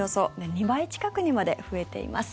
２倍近くにまで増えています。